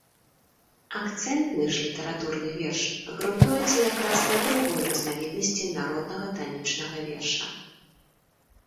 Акцэнтны ж літаратурны верш грунтуецца якраз на другой разнавіднасці народнага танічнага верша.